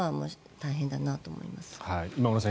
大変だなと思います。